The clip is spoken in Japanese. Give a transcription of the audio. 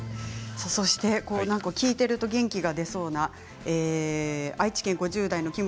聞いていると元気が出そうな愛知県５０代の方。